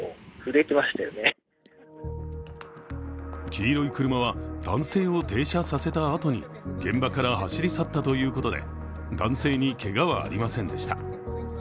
黄色い車は、男性を停車させたあとに現場から走り去ったということで、男性にけがはありませんでした。